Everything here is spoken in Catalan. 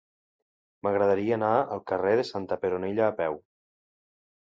M'agradaria anar al carrer de Santa Peronella a peu.